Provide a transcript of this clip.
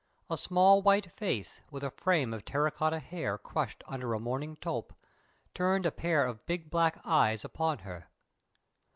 A small white face, with a frame of terra cotta hair crushed under a mourning toque, turned a pair of big black eyes upon her.